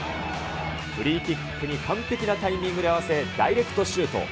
フリーキックに完璧なタイミングで合わせ、ダイレクトシュート。